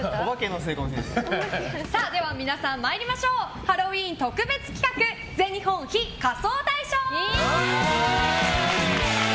皆さん参りましょうハロウィーン特別企画全日本非仮装大賞！